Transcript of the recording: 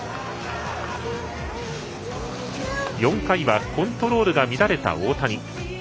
４回はコントロールが乱れた大谷。